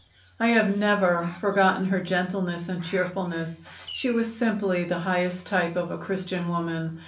"I have never forgotten her gentleness and cheerfulness. She was simply the highest type of a Christian woman.